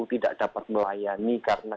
tidak dapat melayani karena